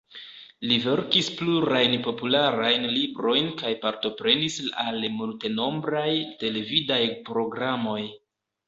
Li verkis plurajn popularajn librojn kaj partoprenis al multenombraj televidaj programoj.